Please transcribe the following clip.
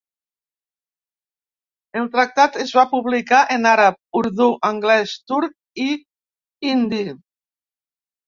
El tractat es va publicar en àrab, urdú, anglès, turc i hindi.